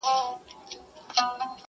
جهاني دا چي بلیږي یوه هم نه پاته کیږي!